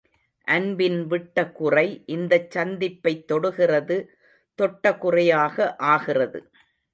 அன்பின் விட்டகுறை, இந்தச் சக்திப்பைத் தொடுகிறது தொட்டகுறையாக ஆகிறது.